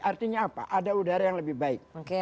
artinya apa ada udara yang lebih baik